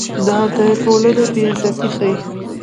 دا د ټولنې بې عزتي ښيي.